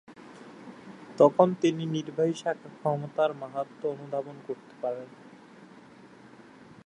তখনই তিনি নির্বাহী শাখার ক্ষমতার মাহাত্ম্য অনুধাবন করতে পারেন।